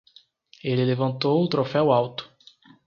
Ele levantou o troféu alto.